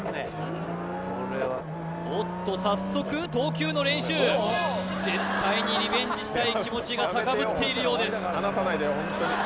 おっと早速投球の練習絶対にリベンジしたい気持ちが高ぶっているようです